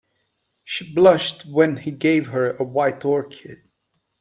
She blushed when he gave her a white orchid.